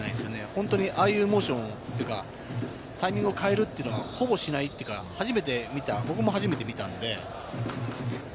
本当にああいうモーションというか、タイミングを変えるというのは、ほぼしないというか僕も初めて見たので。